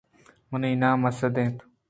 منی نام اسد انت